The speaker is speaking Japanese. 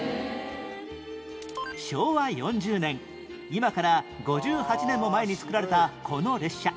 昭和４０年今から５８年も前に作られたこの列車